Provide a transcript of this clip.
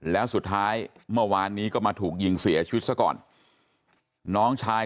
แล้วสุดท้ายเมื่อวานนี้ก็มาถูกยิงเสียชีวิตซะก่อนน้องชาย